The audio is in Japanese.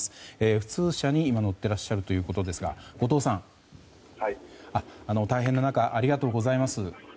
普通車に今乗ってらっしゃるということですが後藤さん、大変な中ありがとうございます。